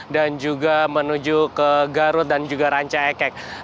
dan juga menuju ke garut dan juga ranca ekek